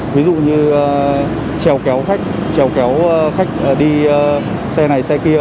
ví dụ như trèo kéo khách đi xe này xe kia